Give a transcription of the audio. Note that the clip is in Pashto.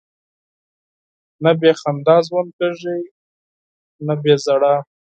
نه بې خندا ژوند کېږي، نه بې ژړا.